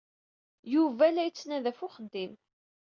Yuba la yettnadi ɣef uxeddim.